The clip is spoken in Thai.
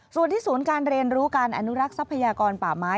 ส่วนที่ศูนย์การเรียนรู้การอนุรักษ์ทรัพยากรป่าไม้